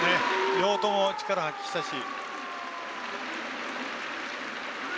両方とも力発揮したし。